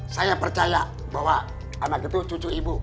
saya percaya bahwa anak itu cucu ibu